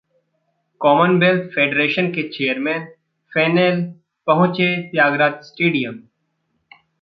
Commonwealth federation के chairman Fennell पहुंचे Thyagaraj stadium